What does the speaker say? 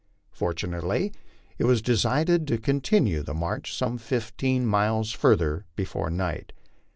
Fortunately it was decided to continue the march some fifteen miles further before night.